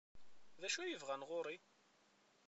D acu ay bɣan ɣer-i?